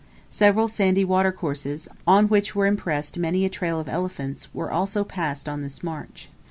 Several sandy watercourses, on which were impressed many a trail of elephants, were also passed on this march.